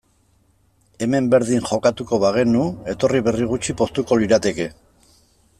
Hemen berdin jokatuko bagenu, etorri berri gutxi poztuko lirateke.